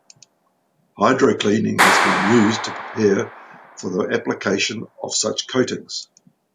Hydrocleaning has been used to prepare for the application of such coatings.